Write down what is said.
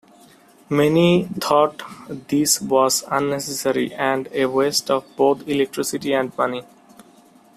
Many thought this was unnecessary and a waste of both electricity and money.